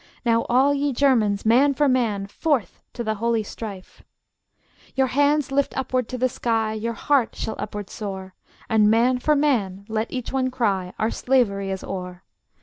Now all ye Germans, man for man, Forth to the holy strife! Your hands lift upward to the sky Your heart shall upward soar And man for man, let each one cry, Our slavery is o'er!